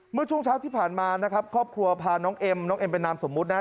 เมื่อช่วงเช้าที่ผ่านมานะครับครอบครัวพาน้องเอ็มน้องเอ็มเป็นนามสมมุตินะฮะ